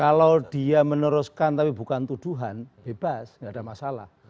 kalau dia meneruskan tapi bukan tuduhan bebas nggak ada masalah